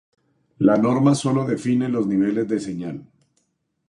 La norma sólo define los niveles de señal.